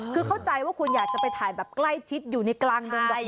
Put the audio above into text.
คือเข้าใจว่าคุณอยากไปถ่ายกล้ายชิดอยู่ในกลางเดือนดอกไม้เลย